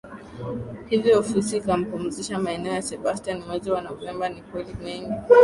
hivyo ofisi ikampumzisha Maneno ya Sebastian mwezi wa novemba Ni kweli mengi